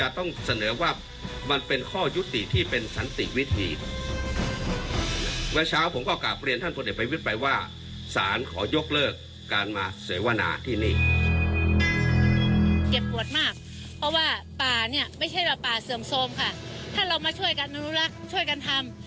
ถ้าเรามาช่วยกันมาดูแลเช่นกันทำ